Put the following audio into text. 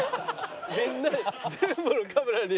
みんなに全部のカメラに。